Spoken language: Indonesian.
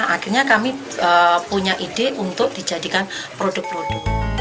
akhirnya kami punya ide untuk dijadikan produk produk